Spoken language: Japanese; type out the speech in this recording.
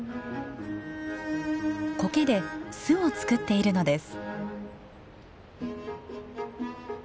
コケで巣を作っているのです。